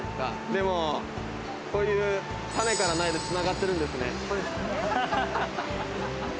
でも、こういう種から苗で繋がってるんですね。